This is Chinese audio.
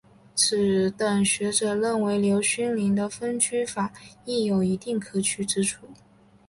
此等学者认为刘勋宁的分区法亦有一定可取之处。